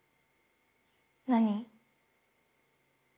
何？